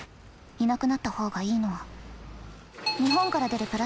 いなくなった方がいいのは。